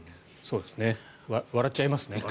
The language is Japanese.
笑っちゃいますね。